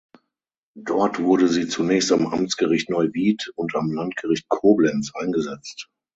Dort wurde sie zunächst am Amtsgericht Neuwied und am Landgericht Koblenz eingesetzt.